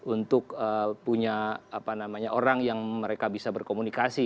untuk punya orang yang mereka bisa berkomunikasi